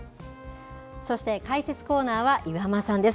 そして解説コーナーは岩間さんです。